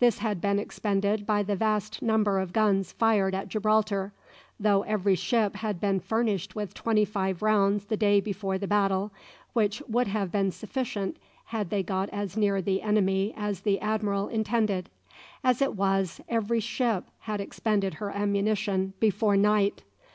This had been expended by the vast number of guns fired at Gibraltar, though every ship had been furnished with twenty five rounds the day before the battle, which would have been sufficient had they got as near the enemy as the admiral intended. As it was, every ship had expended her ammunition before night.